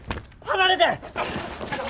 離れて！